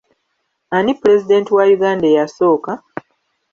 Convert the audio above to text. Ani pulezidenti wa Uganda eyasooka?